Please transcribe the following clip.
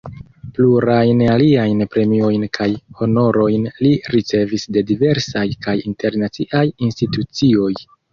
Plurajn aliajn premiojn kaj honorojn li ricevis de diversaj kaj internaciaj institucioj.